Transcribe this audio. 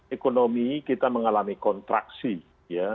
ekonomi kita mengalami kontraksi ya